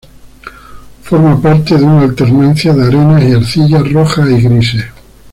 Forma parte de una alternancia de arenas y arcillas rojas y grises.